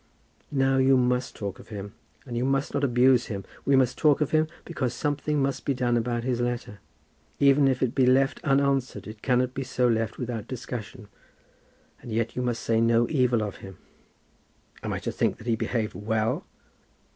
"Now you must talk of him, and you must not abuse him. We must talk of him, because something must be done about his letter. Even if it be left unanswered, it cannot be so left without discussion. And yet you must say no evil of him." "Am I to think that he behaved well?"